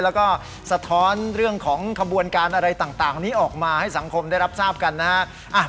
แล้วก็สะท้อนเรื่องของขบวนการอะไรต่างนี้ออกมาให้สังคมได้รับทราบกันนะฮะ